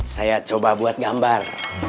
saya coba buat gambar